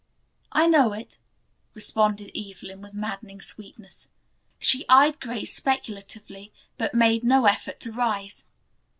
"I know it," responded Evelyn with maddening sweetness. She eyed Grace speculatively, but made no effort to rise.